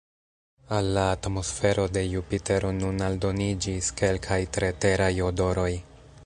Al la atmosfero de Jupitero nun aldoniĝis kelkaj tre Teraj odoroj.